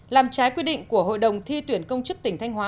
làm trái quy định của hội đồng thi tuyển công chức tỉnh thanh hóa